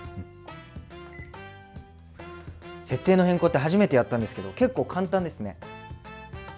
設定の変更って初めてやったんですけど結構簡単ですね。